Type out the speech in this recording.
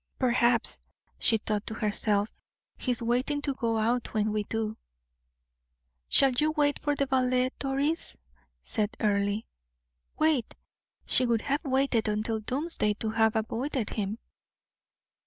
"Perhaps," she thought to herself, "he is waiting to go out when we do." "Shall you wait for the ballet, Doris?" said Earle. Wait! She would have waited until doomsday to have avoided him.